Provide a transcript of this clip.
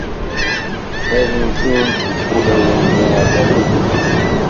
Ad ntunt deg wulawen n yiεdawen n ugellid.